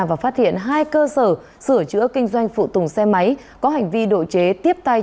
và phát hiện hai cơ sở sửa chữa kinh doanh phụ tùng xe máy có hành vi độ chế tiếp tay